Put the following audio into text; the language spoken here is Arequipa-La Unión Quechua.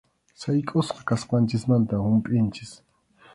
Saykʼusqa kasqanchikmanta humpʼinchik.